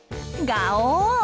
ガオー！